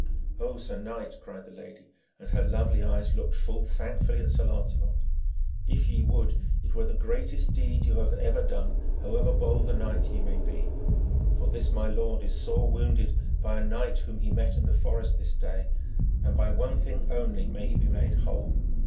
'Oh, sir knight!' cried the lady, and her lovely eyes looked full thankfully at Sir Lancelot, 'if ye would, it were the greatest deed you have ever done, however bold a knight ye may be. For this my lord is sore wounded by a knight whom he met in the forest this day, and by one thing only may he be made whole.